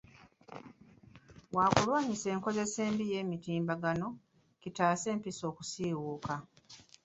Wa kulwanyisa enkozesa embi ey'emitimbagano, kitaase empisa okusiiwuuka.